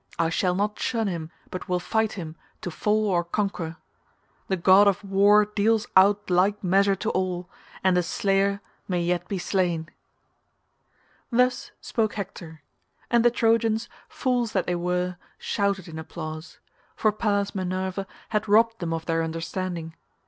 I shall not shun him, but will fight him, to fall or conquer. The god of war deals out like measure to all, and the slayer may yet be slain." Thus spoke Hector; and the Trojans, fools that they were, shouted in applause, for Pallas Minerva had robbed them of their understanding.